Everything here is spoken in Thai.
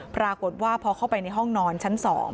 ปรากฏว่าพอเข้าไปในห้องนอนชั้น๒